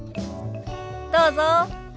どうぞ。